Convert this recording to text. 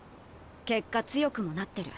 結果強くもなってる。